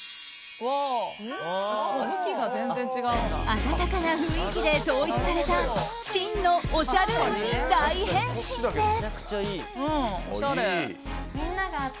温かな雰囲気で統一された真のおしゃルームに大変身です！